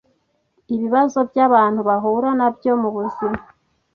ibibazo by’abantu bahura nabyo mubuzima